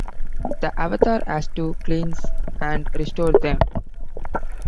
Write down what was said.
The Avatar has to cleanse and restore them.